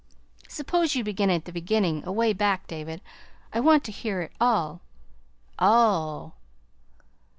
Suppose you begin at the beginning away back, David. I want to hear it all all!"